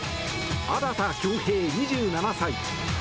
荒田恭兵、２７歳。